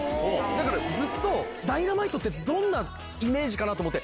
だから、ずっとダイナマイトってどんなイメージかなと思って。